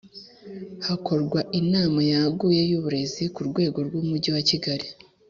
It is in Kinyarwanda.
Hakorwa inama yaguye y’uburezi ku rwego rw’Umujyi wa Kigali